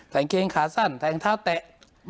ใส่อังเกงขาสั้นใส่อังเกงเท้าแตะ